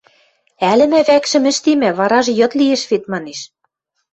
– Ӓлӹмӓ, вӓкшӹм ӹштемӓ, варажы йыд лиэш вет, – манеш.